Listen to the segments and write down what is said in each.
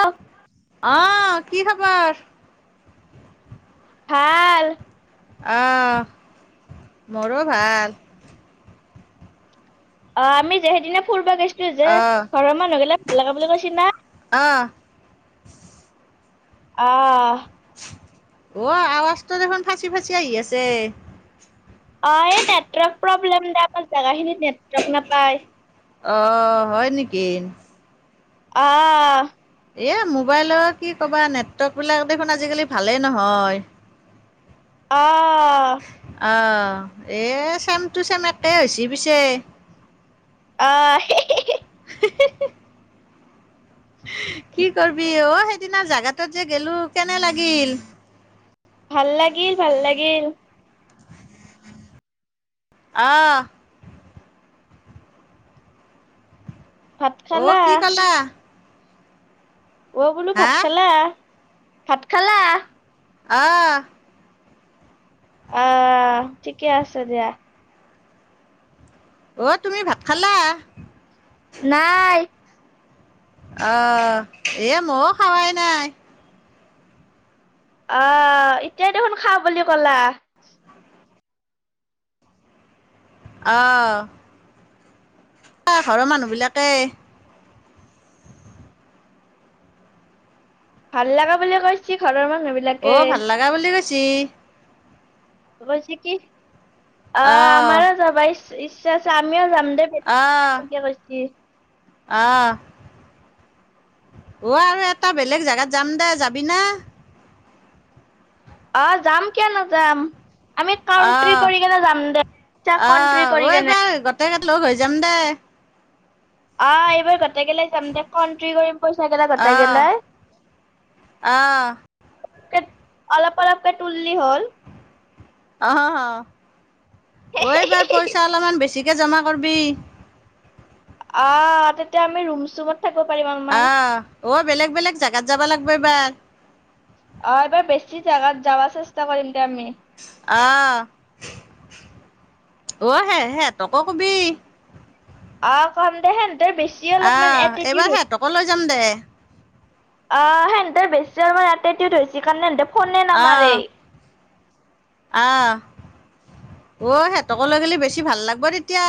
Of অহ কি খবৰ ভাল অহ মোৰো ভাল অ আমি যে সেইদিনা ফুব গৈছো যে ঘৰৰ মানুহ নগলে লগা বুলি কৈছ না অঁ অহ অ আৱাজটো দেখোন ফাঁচি ফাঁচি আহি আছে অ এই নেটৱৰ্ক প্ৰব্লেম দে আমাৰ জোগাখিনিত নেটৱৰ্ক নাপায় অহ হয় নেকি অহ এই মোবাইলৰ কি ক'বা নেটৱৰ্কবিলাক দেখোন আজিকালি ভালেই নহয় অ আহ এ চেমটো চেম একে হৈছে পিছে অহ হি হি [unintelligible] কি কৰবি অ পিছদিনা জাগাটোত যে গলো কেনে লাগিল ভাল লাগিল ভাল লাগিল অহ ভাত অ খালা কি খালা অ বোলো ভাত হা খালা ভাত খালা অহ অহ ঠিকে আছে দিয়া অ তুমি ভাত খালা নাই অহ এ ময়ো খাৱাই নাই অহ এতিয়াই দেখোন খা বুলি কলা অহঁ প ঘৰৰ মানুহ বিলাকে ভাল লগা বুলি কৈছি ঘৰৰ মানুহ বিলাকে অ ভাল লগা বুলি কৈছে ছে ক হৈছে কি অ আহ আমাৰ যাবাইছ ইচ্ছা আছে আমিও জাম আহ [unintelligible] আহ অ আৰু এটা বেলেগ জেগাত যাম দে যাবি না আহ যাম কিয় নাযাম আমি কাউণ্ট্ৰি আহ কৰি কেনে যাম দে আহ কন্ট্ৰ অ কৰি কেনে এইবাৰ গোটেইকেইটা লগ হৈ যাম দে আহ এইবাৰ গোটেই কে লৈ যাম দে কট্ৰী কৰিম পইচা গিলা গোটাই আহ কেনে আহ অলপ অলপকৈ তুল্লি হ'ল অ অ এইবাৰ পইচা অলপমান বেছি বেছিকে জমা কৰিবি অ তেতিয়া আমি ৰুমচুমত আহ অ বেলেগ বেলেগ জেগাত যাব লাগিব ব অ এবাৰ বেছি জেগাত যাবা চে চেষ্টা কৰিম দে আমি অঁ অ হে সিহঁতকো কবি অ কম দে বেছি অলপমান আহ এটিটিউড এইবাৰ হৈছে। সিহঁতকো লৈ যাম দে অ সেহনেৰ বেছি আৰু মই ইয়াতেতিয়া ধৰিছ কাৰণে ফনে আহ নামাৰেই আহ অ সিহঁতকলৈ গ'লে বেছি ভাল লাগিব তেতিয়া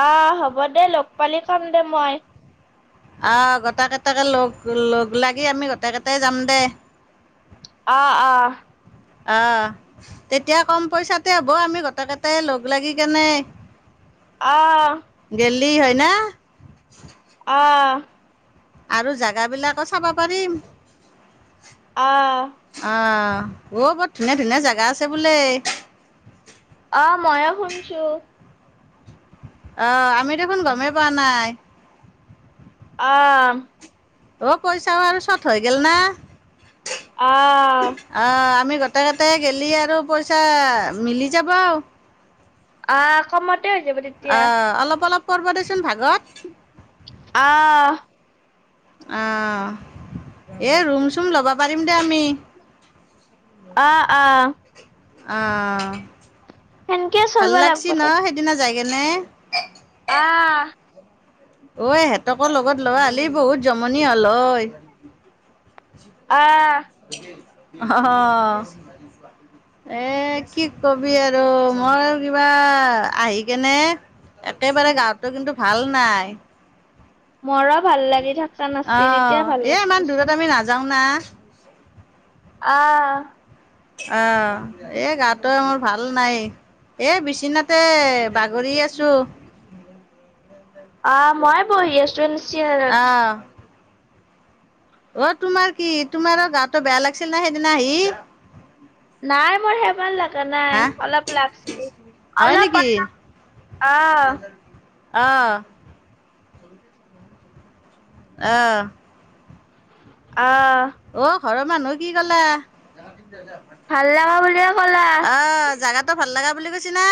আহ হ'ব দে লগ পালি কম দে মই আহ গোটেই কেইটাকে লগ লগ লাগি আমি গোটেই কেইটাই যাম দেই অঁ অঁ আহ তেতিয়া কম পইচাতে হ'ব আমি গোটে কেইটাই লগ লাগি কেনে আহ দ হয় না আহ আৰু জেগাবিলাকো চাব পাৰিম আহ অঁ অ বৰ ধুনীয়া ধুনীয়া জেগা আছে বোলে আহ মইয়ো শুনছো আহ আমি দেখোন গমেই পোৱা নাই আহ অ পইচাও আৰু চট হৈ গেল না। আহ গোটে কেটাই গেলি আৰু পইচা মিলি যাব আও। আ কমত অ অলপ অলপ। পৰবদেচোন ভাগত আহ অ এই ৰুম চুম ল'ব পাৰিম দে আমি। অঁ অঁ অহঁ সেনকে চলবা লাগব দে। যাই কেনে আহ অ আই হেত পতকৰ লগত ল'ৰা আলি বহুত জমনি হ'ল হয়। অ উ অহহঅঅ এ কি কবি আৰু মই কিবা আহি কেনে। একেবাৰে গাঁতো কিন্তু ভাল নাই। মৰো ভাল লাগি থকা নাছিল অঁ এতিয়া ভাল এই ইমান লাগিছিল দূৰত দেচোন। আমি নাযাওঁ না আহ অহ এ গাটো মোৰ ভাল নাই এ বিচিনাতে। বাগৰি আছো। অহ মই বহি আছোঁ চিয়াৰত অঁ অ তোমাৰ কি তোমা ৰ গাটো বেয়া লাগছিল না সেইদিনা আহি। নাই মোৰ সে ভাল লগা হা নাই অলপ লাগ হয় অলপ নেকি অপ অহ অঁ অহ অহ অ ঘৰত মানুহে কি ক'লে ভাল লগা বুলিয়ে ক'লা অ জাগাটো ভাল লগা বুলি কৈছে না।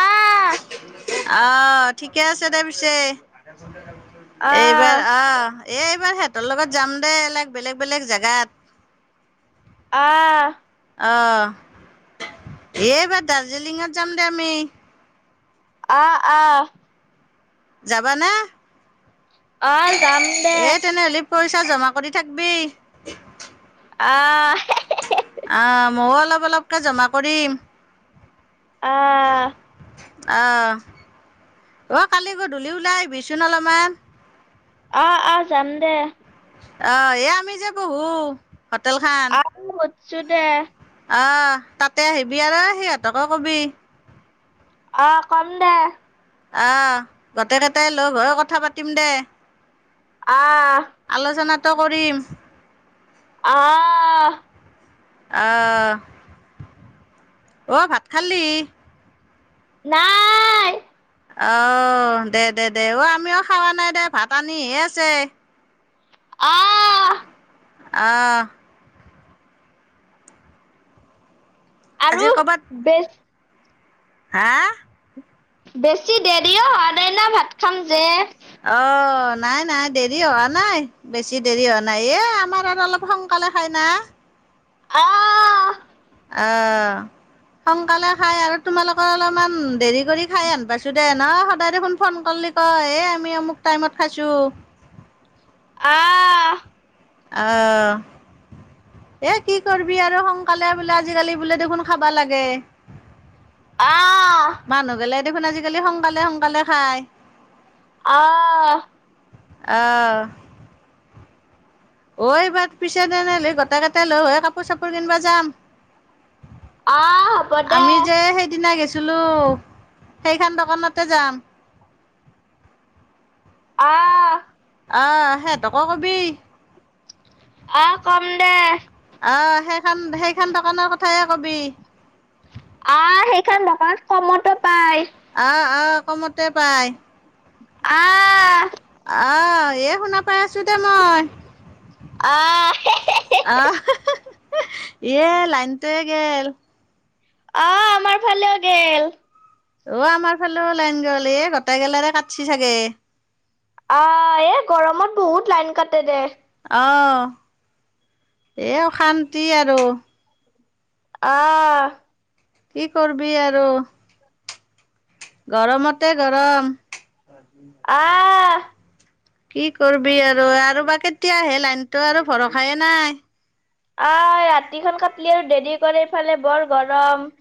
আহ আহ ঠিকে আছে দে পিছে এইবাৰ আহ আহ এই এইবাৰ হত তেৰ লগত যাম দে এলেক বেলেগ বেলেগ জেগাত। আহ অঁ এইবাৰ দাৰ্জিলিঙত যাম দে আমি আহ আহ যাবা নে অ যাম দে পইচা জমা কৰি থাকবি অহ হে হে হে ময়ো অলপ অলপকে জমা কৰিম আহ অঁ অঁ কালি গধূলি ওলাই আহিবিচোন অলপমান আহ আহ যাম দে অহ এয়া আমি যে বহু আৰু হছো দে আহ তাতে আহিবি আৰু সিহঁতকে কবি অ কম দে আহ গোটেইকেইটাই লগ হৈ কথা পাতিম দে আহ ত কৰিম আহ আহ অ ভাত খালি নাই আহ দে দে দে অ আমিও খাৱা নাই দে ভাত আনিহে আছে আহ অহ আৰু আজি কৰ'বাত বেচ হা বেছি দেৰিও হোৱা নাইনা ভাত খাম যে অ নাই নাই দেৰি হোৱা নাই বেছি দেৰি হোৱা নাই এ আমাৰ আৰু অলপ সোনকালে খাই না আহ অ সোনকালে খাই আৰু তোমালোকৰ অলপমান দেৰি কৰি খাই আন পাইছো দে ন সদায় দেখোন ফোন কৰলি কয় এ আমি অমুক টাইমত খাইছো আহ অহ এ কি কৰিবি আৰু সোনকালে বোলে আজিকালি বোলে দেখোন খাবা লাগে আহ মানুহ গলে দেখোন আজিকালি সোনকালে সোনকালে খায় আহ আহ অ এইবাৰ পিছে তেনেহলে গোটেই কেইটাই লগ হৈ কাপোৰ চাপোৰ কিনবা যাম অহ হব দে গৈছিলো সেইখন দোকানতে যাম অহ অহ সেহতক কবি অ কম দে আহ সেখন সেখন দোকানৰ কথাই কবি আহ সেইখন দোকান কমতো পাই আহ আহ কমতে পাই। আহ আহ এ শুনা পাই আছো দে মই আহ আহ এ লাইনতে গেল আহ আমাৰ ফালেও গেল। অ আমাৰ ফালেও লাইন গল এ গোট গেলাৰে কাটছি চাগে। আহ এ গৰমত বহুত লাইন কাটে দে অঁ। এই অশান্তি আৰু আহ কি কৰবি আৰু গৰমতে গৰম আহ কি কৰবি আৰু আৰু বাকে এতিয়া সে লাইনটো আৰু ভৰসাইে নাই। আহ ৰাতিখন কাটলি আৰু দেৰি কৰে এইফালে বৰ গৰম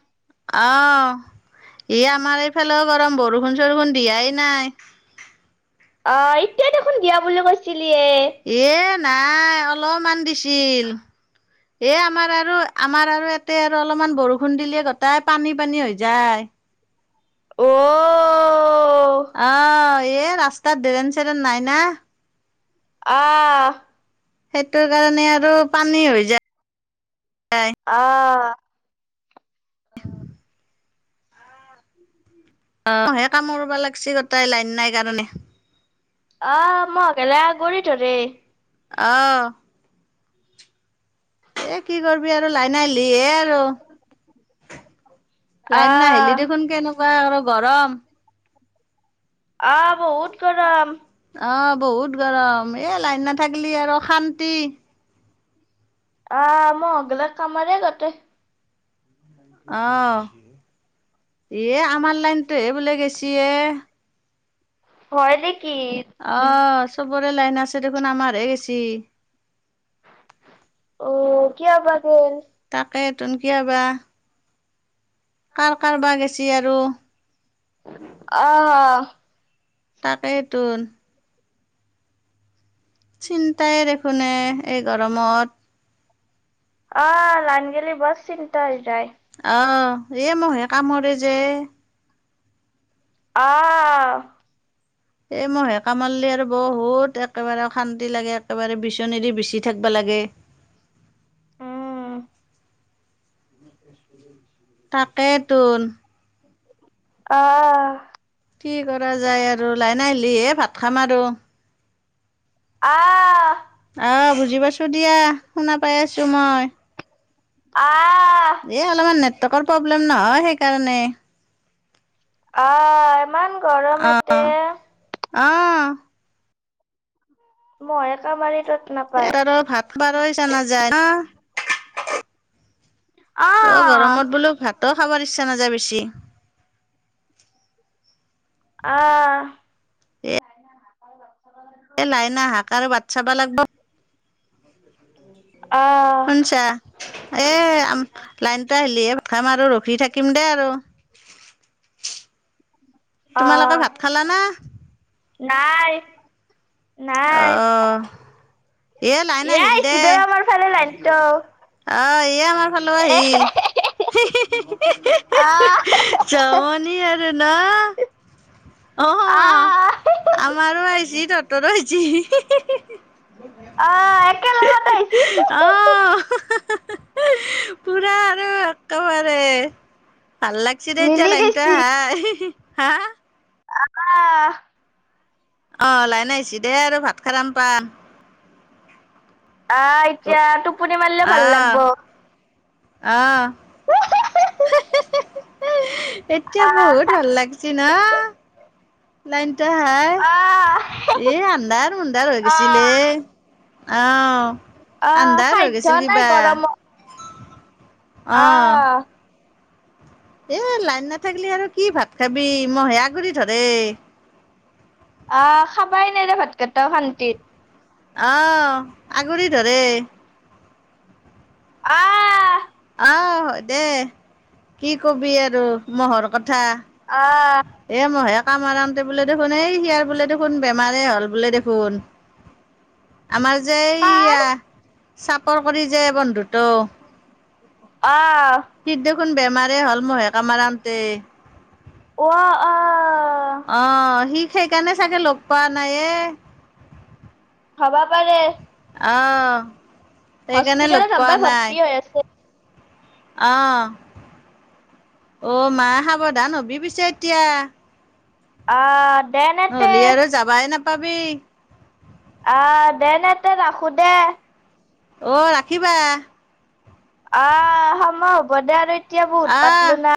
অ ই আমাৰ এইফালেও গৰম বৰষুণ। দিয়াই নাই অ এতিয়া দেখোন দিয়া বুলি কৈছিল লিয়ে এ নাই অলপমান দিছিল এ আমাৰ আৰু আমাৰ আৰু এ তাতে আৰু অলপমান বৰষুণ দিলে গোটাই পানী পানী হৈ যায় অ তাত ডৰেন চেৰেন নাই না আহ সেইটো কাৰণে আৰু পানী হৈ যায় আহ অ সে কাম কৰিবা লাগছী গটাই লাইন নাই কাৰণে আহ মই অকলে গৰি থৰে আহ এ কি কৰিবি আৰু লাইন আহিলি হে আৰু। লাইন নাহিলি আহ দেখোন কেনেকুৱা আৰু গৰম। আহ বহুত গৰম আহ বহুত গৰম এ লাইন নাথাকিলি আৰু অশান্তি আহ মই অগিলা কামাৰে গতে আহ এ আমাৰ লাইনতো হে বোলে গেছে এ হয় দে অঁ। চবৰে লাইন আছে দেখোন আমাৰহে গেছি।। অ কি হবা তে। তাকে তন কিয়াবা। কাৰ কাৰ বা গেছি আৰু। আহ তাকেইটো। চিন্তাই দেখোনে এই গৰমত। অ লান গেলি বৰ চিন্তাই। আহ এ মহে কামৰে যে। আহ। এ মহে কামাৰ্লি আৰু বহুত। একেবাৰে শান্তি লাগে, একেবাৰে বিচনীদি বিচি থাকিবা লাগে। ব [inaudible] তাকেতো। আহ। কি কৰা যায় আৰু লাইন আহিলি হ ভাত। খাম আৰু। আহ। আহ বুজি পাইছো দিয়া শুনা পাই আছো মই। অঁ। এই অলপমান নেটৱৰ্কৰ প্ৰব্লেম নহয় সেইকাৰণে আহ ইমান। গৰম এতে। অঁ। মহে কামোৰে। এবাৰৰ ভাত পাৰ জানা যায় ন। আহ। তই খাব ইচ্ছা নাযায় বেছি। আহ। এ লাইন আহাক বাত। চাবা লাগিব। আহ শুনিছা, এ লাইনটো আহিলিহে ভাত খাম আৰু ৰখি থাকিম দেই আৰু। তোমালোকে আহ ভাত খালা না। নাই। নাই আহ', এয লাইন এ আহিল আইছি দে আমাৰ ফালে লাইনটো আহ এয় আমাৰ ফালৰ আহিল। হি হিহি, হিহি, আহ হিহি জমনি আৰু না অ', আহ আমাৰো আহিছে তত ততই যি হি হি হি আহ', একে লগত এ আইছি হিহি, অ হিহি। পুৰা আৰু একেবাৰে। ভাল লাগিছে দে এতিয়া মিলি লাইনটো গৈছি হাই হি হি হা, আ অ' লাইন আহিছি দেই আৰু ভাত খাৰম পাম। আহ', এতিয়া টোপনি মাৰিলে ভাল লাগব। আহ হি হি হি এতিয়া বহুত ভাল লাগিছ ন নাইন হাই আহ এ আন্দাৰ-মুডাৰ হৈ গৈছিলে। অহ অ সাধ্য নাই গৰমত। অ' অহ এ লাইন নাথাকিলি আৰু কি ভাত খাবি, মহে আগুৰি ধৰে। আহ খাবাই নাই দে ভাত কেইটাও শান্তিত। আহ', আগুৰি ধৰে। আহ আহ' হয় দে, কি কবি আৰু মৰ হৰকত কথা। আহ এ'মইহে কাম আৰামতে বোলে দেখোন এই হিয়াৰ বোলে দেখোন বেমাৰেই হ'ল বোলে দেখোন। আমাৰ যে, কাৰ এইয়া চাপৰ কৰি যে বন্ধুটো অ--হ বেমাৰেই হ'ল মহেকামাৰাতে অ অ অ সি সেইকাৰণে চাগে লগ পোৱা নাইয়ে। হব পাৰে। অ হস্পিতালত আমাৰ ভৰ্তি হৈ আছে। অহ অ মা সাৱধান হবি পিছে এতিয়া। অ দেনেতে পাবি। আহ দেনেতেন ৰাখো দে। অ ৰাখিবা। অ সময় হ'ব দে আৰু। এতিয়া বহুত আহ পাতিলো নাই।